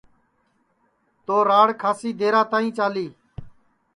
تو راڑ کھاسی درا تائی چالی